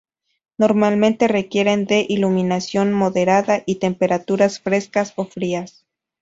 Normalmente requieren de iluminación moderada y temperaturas frescas o frías.